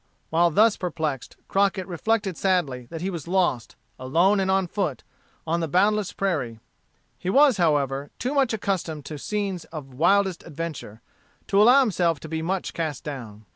While thus perplexed, Crockett reflected sadly that he was lost, alone and on foot, on the boundless prairie. He was, however, too much accustomed to scenes of the wildest adventure to allow himself to be much cast down.